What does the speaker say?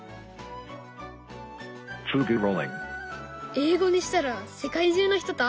英語にしたら世界中の人と遊べるかな？